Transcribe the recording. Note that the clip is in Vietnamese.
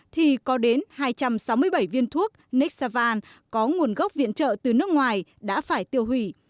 thì có đến hai trăm sáu mươi bảy viên thuốc nextal có nguồn gốc viện trợ từ nước ngoài đã phải tiêu hủy